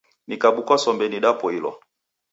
Nikabuka sombe nidapoilwa.